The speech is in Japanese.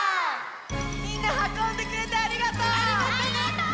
みんなはこんでくれてありがとう！